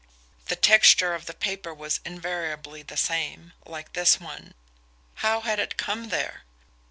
The texture of the paper was invariably the same like this one. How had it come there?